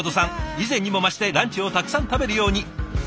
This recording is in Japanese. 以前にも増してランチをたくさん食べるように。